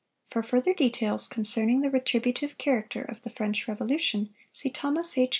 —For further details concerning the retributive character of the French Revolution, see Thos. H.